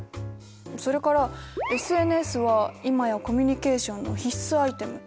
それからＳＮＳは今やコミュニケーションの必須アイテム。